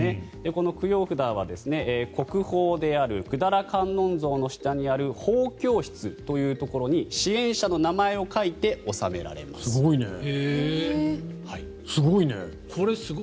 この供養札は国宝である百済観音像の下にある奉経室というところに支援者の名前を書いてすごいね。